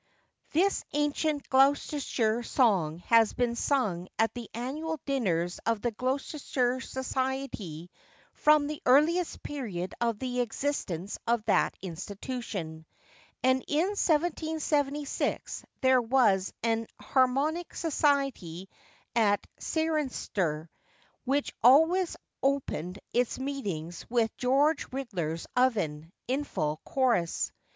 [THIS ancient Gloucestershire song has been sung at the annual dinners of the Gloucestershire Society, from the earliest period of the existence of that institution; and in 1776 there was an Harmonic Society at Cirencester, which always opened its meetings with George Ridler's Oven in full chorus.